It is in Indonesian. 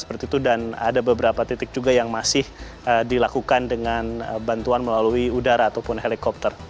seperti itu dan ada beberapa titik juga yang masih dilakukan dengan bantuan melalui udara ataupun helikopter